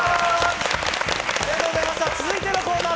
続いてのコーナー